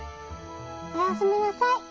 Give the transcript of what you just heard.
おやすみなさい。